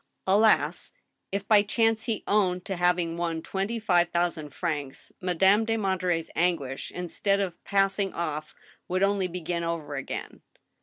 Alas! if by, chance he owned to having won twenty five thou sand francs, Madame de Monterey's anguish, instead of passing off, would onljf begin over again.